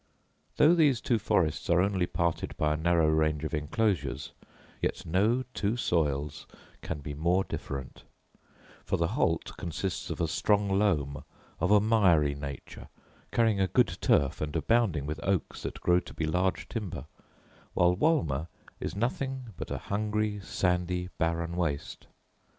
Though these two forests are only parted by a narrow range of enclosures, yet no two soils can be more different: for the Holt consists of a strong loam, of a miry nature, carrying a good turf, and abounding with oaks that grow to be large timber; while Wolmer is nothing but a hungry, sandy, barren waste.